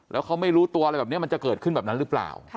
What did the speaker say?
แล้วเขาไม่รู้ตัวอะไรแบบนี้มันจะเกิดขึ้นแบบนั้นหรือเปล่า